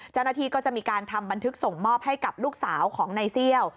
เจ้าหน้าที่ก็จะมีการทำบันทึกส่งมอบให้กับลูกสาวของนายเซี่ยว